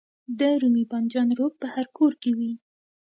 د رومي بانجان رب په هر کور کې وي.